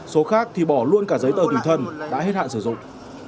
số khác thì bỏ luôn cả giấy tờ tùy thân đã hết hạn sử dụng